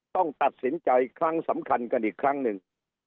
ต้องตัดสินใจครั้งสำคัญกันอีกครั้งหนึ่ง